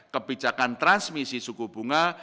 kebijakan transmisi suku bunga